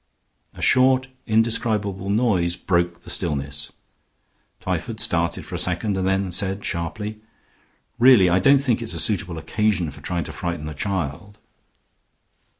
A short, indescribable noise broke the stillness. Twyford started for a second, and then said, sharply: "Really, I don't think it's a suitable occasion for trying to frighten a child."